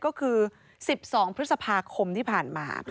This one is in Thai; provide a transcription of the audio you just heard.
ก็คือ๑๒พฤษภาคมที่ผ่านมา